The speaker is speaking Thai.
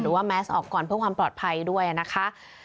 ว่าแมสออกก่อนเพื่อความปลอดภัยด้วยนะคะ